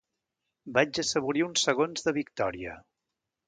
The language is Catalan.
Vaig assaborir uns segons de victòria.